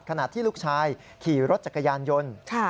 ขณะที่ลูกชายขี่รถจักรยานยนต์